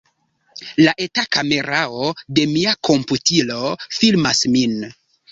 La eta kamerao de mia komputilo filmas min.